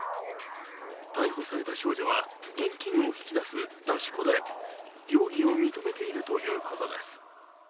逮捕された少女は現金を引き出す出し子で容疑を認めているということです。